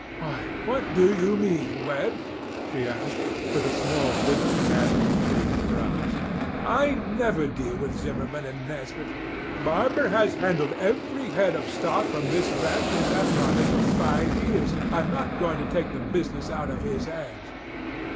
"Why, what do you mean, Webb?" she asked, with a small wrinkle gathering between her brows. "I never deal with Zimmerman and Nesbit. Barber has handled every head of stock from this ranch in that market for five years. I'm not going to take the business out of his hands."